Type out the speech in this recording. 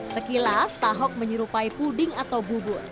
sekilas tahok menyerupai puding atau bubur